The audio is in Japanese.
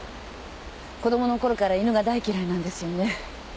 子供のころから犬が大嫌いなんですよね？